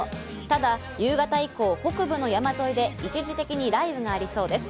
ただ夕方以降、北部の山沿いで一時的に雷雨がありそうです。